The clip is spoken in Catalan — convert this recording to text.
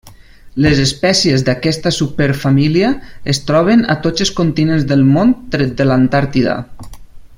Les espècies d'aquesta superfamília es troben a tots els continents del món tret de l'Antàrtida.